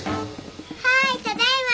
はいただいま。